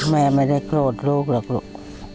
แม่ไม่ได้โกรธลูกหรอกลูก